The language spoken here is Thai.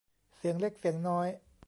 เสียงเล็กเสียงน้อย